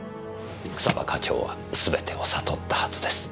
草葉課長はすべてを悟ったはずです。